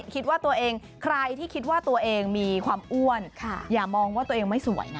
คิดว่าตัวเองใครที่คิดว่าตัวเองมีความอ้วนอย่ามองว่าตัวเองไม่สวยนะ